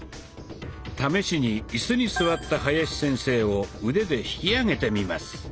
試しにイスに座った林先生を腕で引き上げてみます。